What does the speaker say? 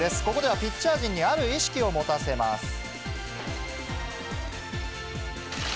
ここではピッチャー陣に、ある意識を持たせます。